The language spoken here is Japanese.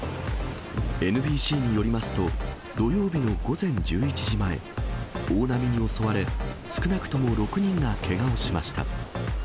ＮＢＣによりますと、土曜日の午前１１時前、大波に襲われ、少なくとも６人がけがをしました。